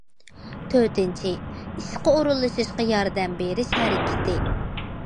تۆتىنچى، ئىشقا ئورۇنلىشىشقا ياردەم بېرىش ھەرىكىتى.